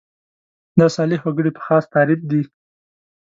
دا صالح وګړي په خاص تعریف دي.